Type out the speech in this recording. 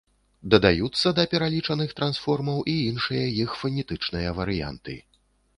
Дадаюцца да пералічаных трансформаў і іншыя іх фанетычныя варыянты.